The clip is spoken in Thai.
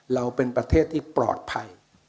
เราเป็นประเทศที่ปลอดภัย